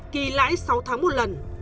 kỳ lãi sáu tháng một lần